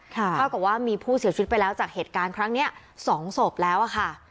เท่ากับว่ามีผู้เสียชีวิตไปแล้วจากเหตุการณ์ครั้งนี้๒ศพแล้วอะค่ะ